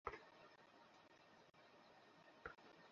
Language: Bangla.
আমরা সবাই তোমার জন্য এসেছি।